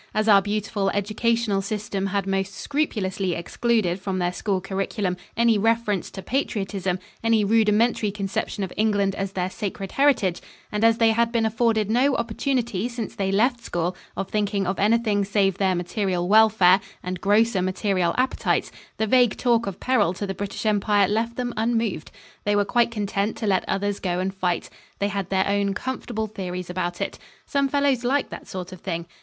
As our beautiful Educational system had most scrupulously excluded from their school curriculum any reference to patriotism, any rudimentary conception of England as their sacred heritage, and as they had been afforded no opportunity since they left school of thinking of anything save their material welfare and grosser material appetites, the vague talk of peril to the British Empire left them unmoved. They were quite content to let others go and fight. They had their own comfortable theories about it. Some fellows liked that sort of thing.